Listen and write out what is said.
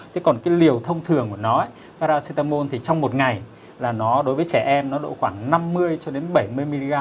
thế còn cái liều thông thường của nó paracetamol thì trong một ngày đối với trẻ em nó độ khoảng năm mươi bảy mươi ml